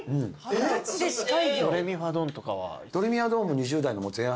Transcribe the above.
『ドレミファドン！』とかは？